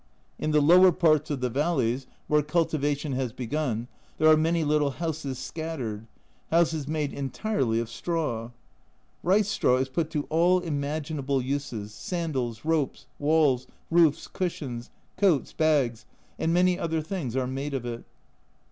In the lower part of the valleys 22 A Journal from Japan where cultivation has begun there are many little houses scattered houses made entirely of straw! Rice straw is put to all imaginable uses : sandals, ropes, walls, roofs, cushions, coats, bags, and many other things are made of it.